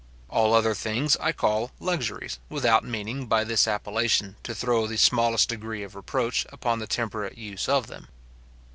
All other things I call luxuries, without meaning, by this appellation, to throw the smallest degree of reproach upon the temperate use of them.